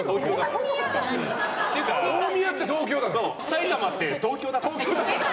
埼玉って東京だから。